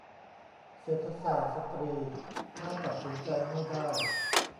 เศรษฐศาสตร์สตรี : ถ้าตัดสินใจไม่ได้